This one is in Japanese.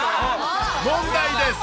問題です。